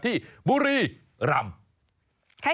ที่บุรีรำ